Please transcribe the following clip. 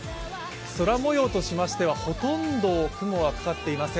空もようとしましては、ほとんど雲がかかっていません。